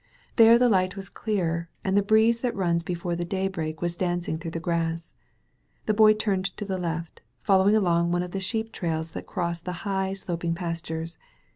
There the light was clearer, and the breeze that runs be fore the daybreak was dancing through the grass. The Boy turned to the left, following along one of the sheep traik that crossed the high, sloping pas tures.